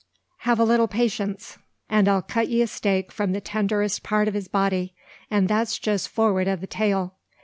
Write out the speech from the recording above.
Have a little patience, and I'll cut ye a steak from the tenderest part o' his body; and that's just forrard o' the tail.